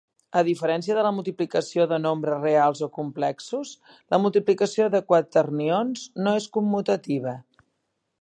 A diferència de la multiplicació de nombres reals o complexos, la multiplicació de quaternions no és commutativa.